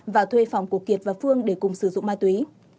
và thuê phòng của kiệt và phương để cùng sử dụng ma túy